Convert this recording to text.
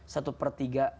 satu per tiga